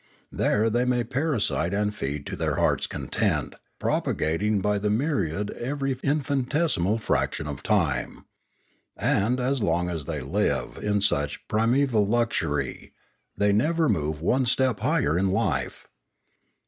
There they may parasite and feed to their heart's content, propagating by the myriad every in finitesimal fraction of time. And, as long as they live in such primeval luxury, they never move one step higher in life.